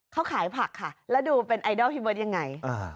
เขาขายผักค่ะแล้วดูเป็นไอดอลพี่เบิร์ตยังไง